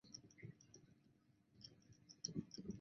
手持式光炮来福枪。